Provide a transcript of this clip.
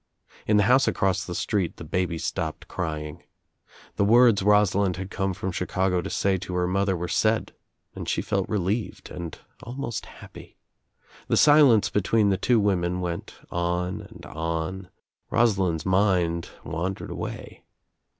In the house across the street the baby stopped crying. The words Rosalind had come from Chicago to say to her mother were said and she felt relieved and al most happy. The silence between the two women went on and on. Rosalind's mind wandered away.